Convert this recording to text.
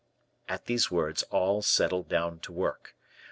At these words, all settled down to work.